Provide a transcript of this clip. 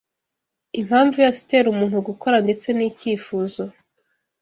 impamvu yose itera umuntu gukora ndetse n’icyifuzo